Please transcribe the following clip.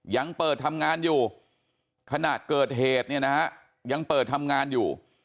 ยังเปิดทำงานอยู่ขณะเกิดเหตุเนี่ยนะฮะยังเปิดทำงานอยู่